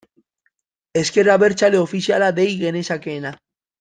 Ezker Abertzale ofiziala dei genezakeena.